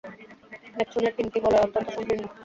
নেপচুনের তিনটি বলয় অত্যন্ত সংকীর্ণ।